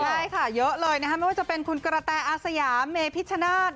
ใช่ค่ะเยอะเลยนะคะไม่ว่าจะเป็นคุณกระแตอาสยาเมพิชชนาธิ์